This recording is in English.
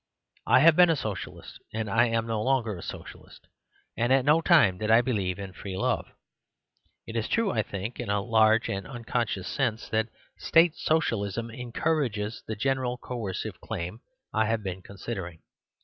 I have been a Socialist, and I am no longer a Socialist, and at no time did I believe in free love. It is true, I think in a large and unconscious sense, that State Socialism encourages the general coercive The Story of the Family 79 claim I have been considering.